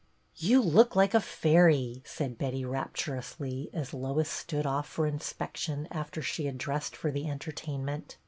" You look like a fairy," said Betty, raptu rously, as Lois stood off for inspection after she had dressed for the entertainment.